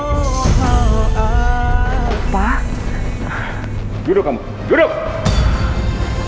duduk kamu duduk